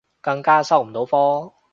更加收唔到科